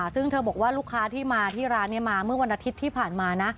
ซึ่งเธอบอกว่าลูกค้าที่มาที่ร้านนี้มาเมื่อวันอาทิตย์ที่ผ่านมานะ